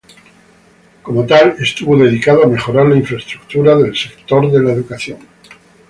Como tal, estuvo dedicado a mejorar la infraestructura del sector educación.